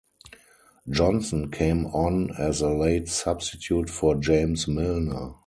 Johnson came on as a late substitute for James Milner.